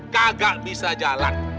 kagak bisa jalan